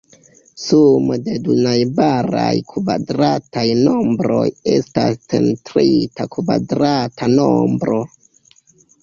Sumo de du najbaraj kvadrataj nombroj estas centrita kvadrata nombro.